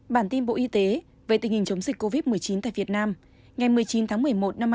bản tin bộ y tế về tình hình chống dịch covid một mươi chín tại việt nam ngày một mươi chín tháng một mươi một năm hai nghìn hai mươi